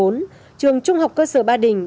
trường trung học cơ sở ba đình